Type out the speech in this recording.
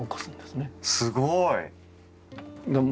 すごい！